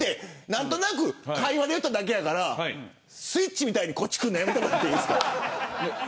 何となく会話で言っただけやからスイッチみたいにこっち来るのやめてもらっていいですか。